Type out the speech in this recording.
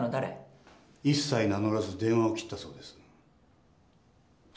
一切名乗らず電話を切ったそうです。